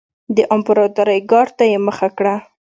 د امپراتورۍ ګارډ ته یې مخه کړه.